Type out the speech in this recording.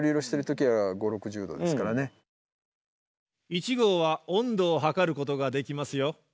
１号は温度を測ることができますよ。